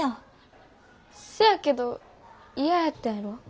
せやけど嫌やったやろ？